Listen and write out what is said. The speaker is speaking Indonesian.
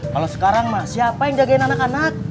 kalo sekarang mah siapa yang jagain anak anak